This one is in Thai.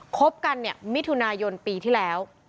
คบกันมิถุนายนต์ปีที่แล้ว